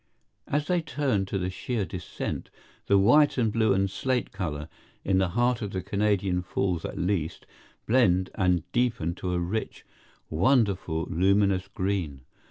As they turn to the sheer descent, the white and blue and slate color, in the heart of the Canadian Falls at least, blend and deepen to a rich, wonderful, luminous green.